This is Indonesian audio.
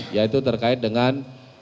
yaitu terkait dengan